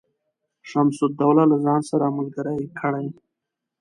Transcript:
شمس الدوله له ځان سره ملګري کړي.